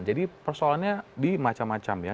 jadi persoalannya di macam macam ya